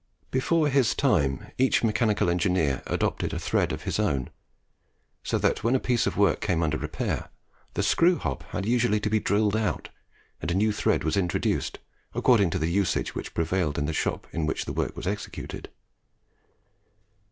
Before his time, each mechanical engineer adopted a thread of his own; so that when a piece of work came under repair, the screw hob had usually to be drilled out, and a new thread was introduced according to the usage which prevailed in the shop in which the work was executed.